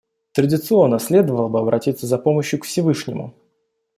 Традиционно следовало бы обратиться за помощью к Всевышнему.